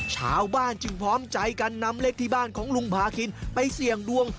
ชาวบ้านจึงพร้อมใจกันนำเลขที่บ้านของลุงพาคินไปเสี่ยงดวง